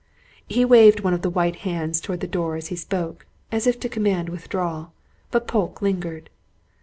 He waved one of the white hands towards the door as he spoke, as if to command withdrawal. But Polke lingered.